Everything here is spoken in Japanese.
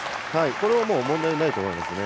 これは問題ないと思います。